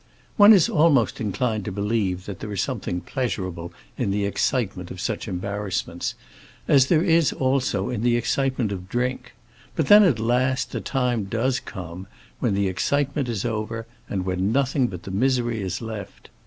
One is almost inclined to believe that there is something pleasurable in the excitement of such embarrassments, as there is also in the excitement of drink. But then, at last, the time does come when the excitement is over, and when nothing but the misery is left.